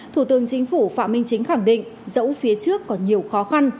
thủ tướng chính phủ phạm minh chính khẳng định dẫu phía trước có nhiều khó khăn